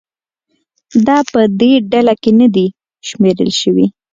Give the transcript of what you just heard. دا په دې ډله کې نه دي شمېرل شوي.